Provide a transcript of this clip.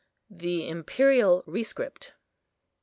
THE IMPERIAL RESCRIPT.